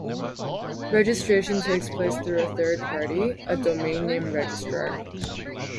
Registration takes place through a third party, a domain name registrar.